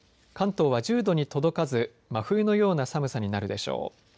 関東は１０度に届かず、真冬のような寒さになるでしょう。